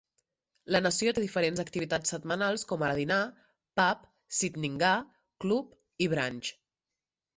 La nació té diferents activitats setmanals com ara dinar, pub, sittningar, club i brunch.